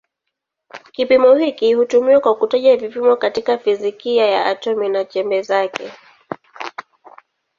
Kipimo hiki hutumiwa kwa kutaja vipimo katika fizikia ya atomi na chembe zake.